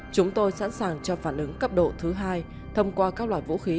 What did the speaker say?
chúng tôi sẵn sàng cho phản ứng cấp độ thứ hai thông qua các loại vũ khí